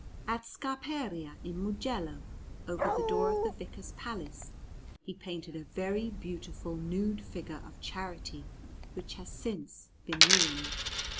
At Scarperia in Mugello, over the door of the Vicar's Palace, he painted a very beautiful nude figure of Charity, which has since been ruined.